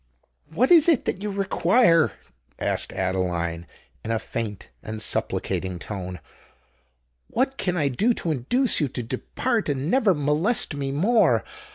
"What is it that you require?" asked Adeline, in a faint and supplicating tone: "what can I do to induce you to depart and never molest me more?